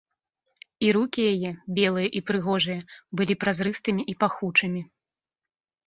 І рукі яе, белыя і прыгожыя, былі празрыстымі і пахучымі.